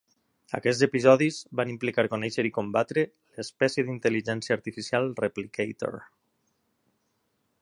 Aquests episodis van implicar conèixer i combatre l'espècie d'intel·ligència artificial Replicator.